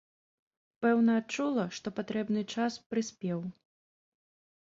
Пэўна, адчула, што патрэбны час прыспеў.